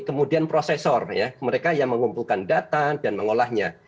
kemudian prosesor mereka yang mengumpulkan data dan mengolahnya